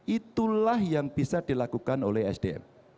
itulah yang bisa dilakukan oleh sdm